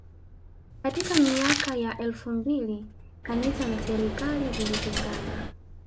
Katika miaka ya elfu mbili kanisa na serikali zilitengana